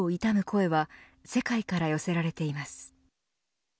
声は世界から寄せられています。